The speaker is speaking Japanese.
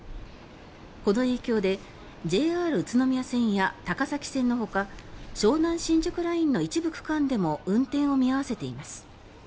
この影響でＪＲ宇都宮線や高崎線のほか湘南新宿ラインの一部区間でも運転を見合わせています。